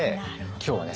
今日はね